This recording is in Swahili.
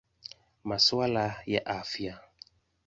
Masuala ya Afya.